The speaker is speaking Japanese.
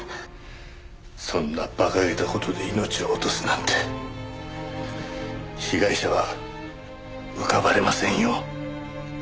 そんな馬鹿げた事で命を落とすなんて被害者は浮かばれませんよ。